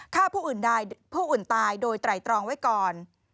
ผู้อื่นตายโดยไตรตรองไว้ก่อน